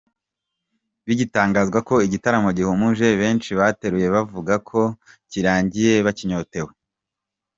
Bigitangazwa ko igitaramo gihumuje, benshi bateruye bavuga ko kirangiye bakinyotewe.